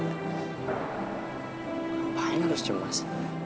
apaan harus cemas